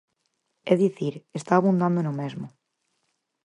É dicir, está abundando no mesmo.